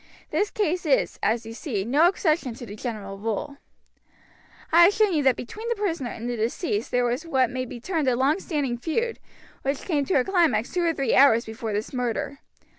This case is, as you see, no exception to the general rule. "I have shown you that between the prisoner and the deceased there was what may be termed a long standing feud, which came to a climax two or three hours before this murder.